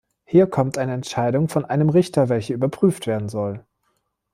Hier kommt eine Entscheidung von einem Richter, welche überprüft werden soll.